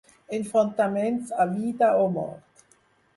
Enfrontaments a vida o mort.